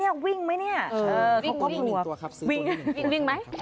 เออเขาก็ตัวหรือวิ่งไหม